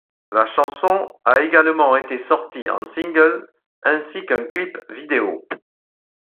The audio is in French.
La chanson a également été sortie en single, ainsi qu'un clip vidéo.